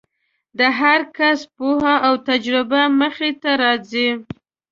د هر کس پوهه او تجربه مخې ته راځي.